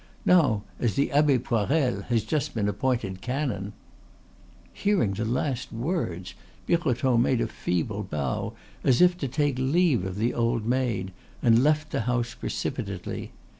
Now, as the Abbe Poirel has just been appointed canon " Hearing the last words Birotteau made a feeble bow as if to take leave of the old maid, and left the house precipitately.